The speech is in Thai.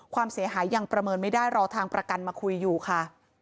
ความเสียหายยังประเมินไม่ได้รอทางประกันมาคุยอยู่ค่ะ